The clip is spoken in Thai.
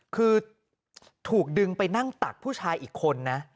คือถูกดึงไปนั่งตักผู้ชายอีกคนนะ